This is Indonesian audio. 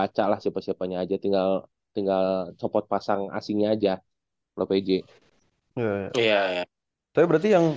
baca lah siapa siapanya aja tinggal tinggal copot pasang asing aja lo pj ya ya ya tapi berarti yang